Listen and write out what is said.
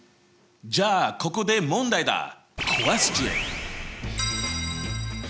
じゃあここで問題だ！